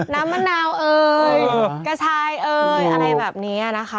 มะนาวเอ่ยกระชายเอ่ยอะไรแบบนี้นะคะ